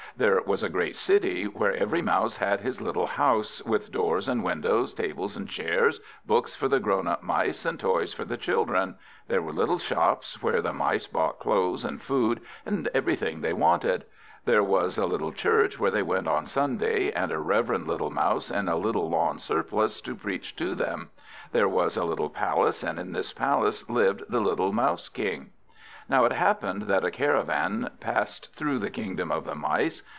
There was a great city, where every Mouse had his little house, with doors and windows, tables and chairs, books for the grown up Mice, and toys for the children; there were little shops, where the Mice bought clothes and food, and everything they wanted; there was a little church where they went on Sunday, and a reverend little Mouse in a little lawn surplice to preach to them; there was a little palace, and in this palace lived the little Mouse King. Now it happened that a caravan passed through the Kingdom of the Mice.